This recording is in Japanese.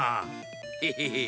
ヘヘヘッ。